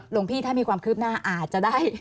หลวงพี่ถ้ามีความคืบหน้าอาจจะได้